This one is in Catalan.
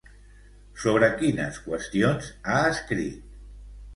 Sobre quines qüestions ha escrit?